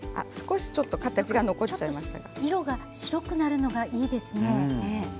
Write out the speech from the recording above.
色が白くなるのがいいですね。